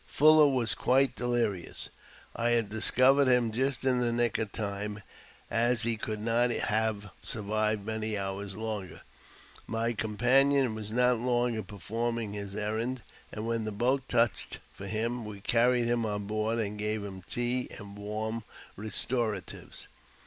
Fuller was quite delirious. I had discovered him just in the nick of time, as he could not have survived many hours longer. My companion was not long in performing his errand, and, when the boat touched for him, we carried him on board, and gave him tea and warm restoratives.